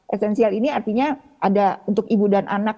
esensial ini artinya ada untuk ibu dan anak